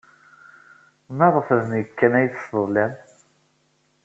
Maɣef d nekk kan ay tesseḍlam?